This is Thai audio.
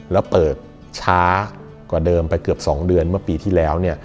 แล้วเปิดช้ากว่าเดิมไปเกือบ๒เดือนเมื่อปีที่แล้ว